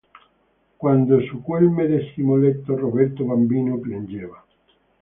Quando su quel medesimo letto Roberto bambino piangeva.